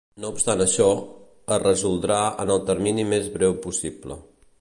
No obstant això, es resoldrà en el termini més breu possible.